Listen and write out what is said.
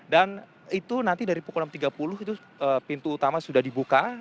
dan itu nanti dari pukul enam tiga puluh itu pintu utama sudah dibuka